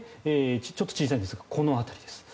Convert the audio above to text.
ちょっと小さいんですがこの辺りです。